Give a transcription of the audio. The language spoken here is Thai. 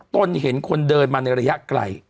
ตนเห็นคนเดินมาในระยะไกล